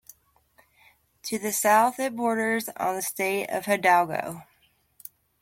To the south it borders on the state of Hidalgo.